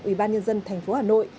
ubnd tp hà nội